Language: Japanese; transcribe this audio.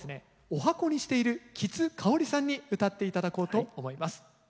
おはこにしている木津かおりさんにうたって頂こうと思います。